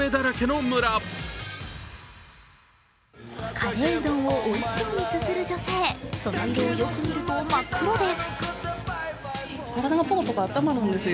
カレーうどんをおいしそうにすする女性、その色をよく見ると真っ黒です。